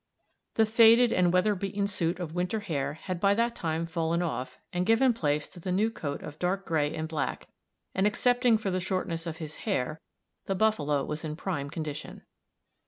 The faded and weather beaten suit of winter hair had by that time fallen off and given place to the new coat of dark gray and black, and, excepting for the shortness of his hair, the buffalo was in prime condition.